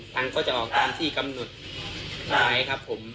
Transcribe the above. ทางก็จะออกตามที่กำหนดไว้ครับผม